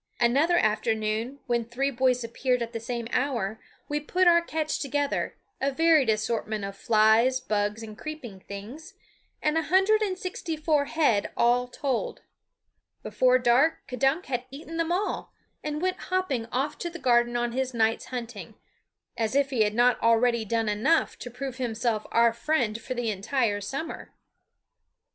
Another afternoon, when three boys appeared at the same hour, we put our catch together, a varied assortment of flies, bugs, and creeping things, a hundred and sixty four head all told. Before dark K'dunk had eaten them all, and went hopping off to the garden on his night's hunting as if he had not already done enough to prove himself our friend for the entire summer.